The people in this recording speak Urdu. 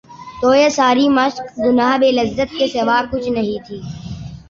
تو یہ ساری مشق گناہ بے لذت کے سوا کچھ نہیں تھی۔